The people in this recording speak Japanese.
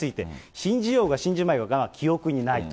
信じようが信じまいが、記憶にないと。